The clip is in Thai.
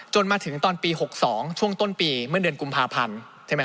จนมาถึงตอนปี๖๒ช่วงต้นปีเมื่อเดือนกุมภาพันธ์